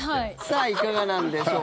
さあ、いかがなんでしょう。